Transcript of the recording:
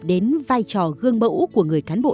đến vai trò gương mẫu của người cán bộ